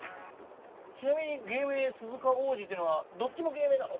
ちなみに芸名「鈴鹿央士」っていうのはどっちも芸名なの？